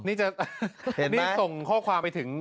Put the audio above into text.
นี่จะส่งข้อความไปถึง